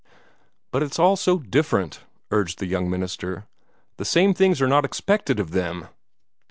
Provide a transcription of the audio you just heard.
"But it's all so different," urged the young minister; "the same things are not expected of them.